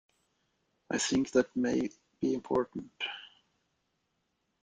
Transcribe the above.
I think that may be important.